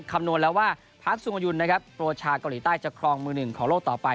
คำนวณแล้วว่าพาร์ทสุงยุนนะครับโปรชาเกาหลีใต้จะครองมือหนึ่งของโลกต่อไป